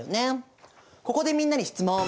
ここでみんなに質問。